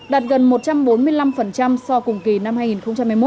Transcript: đạt gần một trăm bốn mươi năm so với cùng kỳ năm hai nghìn một mươi một